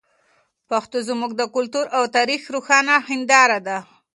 پښتو زموږ د کلتور او تاریخ روښانه هنداره ده.